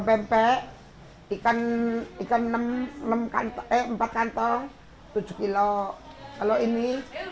berarti enak ini